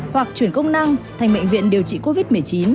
hoặc chuyển công năng thành bệnh viện điều trị covid một mươi chín